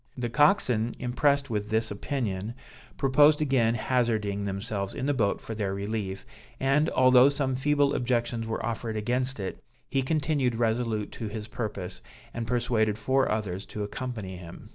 The coxswain impressed with this opinion, proposed again hazarding themselves in the boat for their relief, and, although some feeble objections were offered against it, he continued resolute to his purpose, and persuaded four others to accompany him.